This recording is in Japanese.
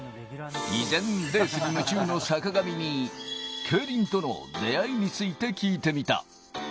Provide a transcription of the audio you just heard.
依然、レースに夢中の坂上に、競輪との出会いについて聞いてみた。